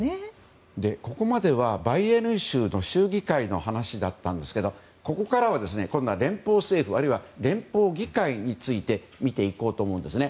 ここまではバイエルン州の州議会の話だったんですがここからは今度は連邦政府あるいは連邦議会について見ていこうと思うんですね。